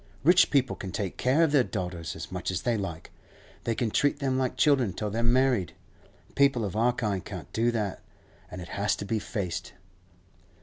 Rich people can take care of their daughters as much as they like; they can treat them like children till they're married; people of our kind can't do that, and it has to be faced.